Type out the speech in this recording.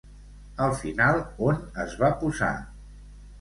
Al final on es va posar?